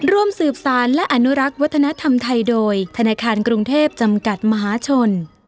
ร่วมสืบสารและอนุรักษ์วัฒนธรรมไทยโดยธนาคารกรุงเทพจำกัดมหาชน